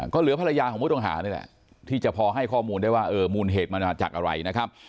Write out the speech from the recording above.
ก็เหลือภรรยาของผู้ต้องหานี่แหละที่จะพอให้ข้อมูลได้ว่าเออมูลเหตุมันมาจากอะไรนะครับ